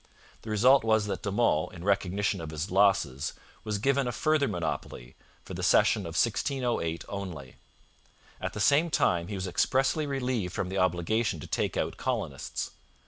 The result was that De Monts, in recognition of his losses, was given a further monopoly for the season of 1608 only. At the same time, he was expressly relieved from the obligation to take out colonists.